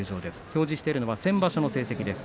表示してるのは先場所の成績です。